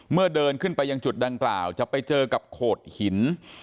เดินขึ้นไปยังจุดดังกล่าวจะไปเจอกับโขดหิน